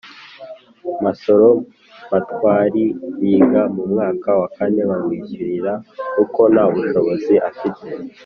Masoro Matwari yiga mu mwaka wa kane bamwishyurira kuko nta bushobozi afite